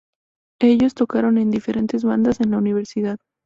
Ellos tocaron en diferentes bandas en la universidad.